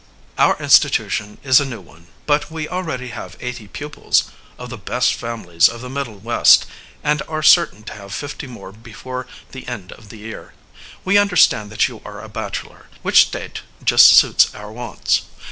Our institution is a new one, but we already have eighty pupils, of the best families of the Middle West, and are certain to have fifty more before the end of the year. We understand that you are a bachelor, which state just suits our wants.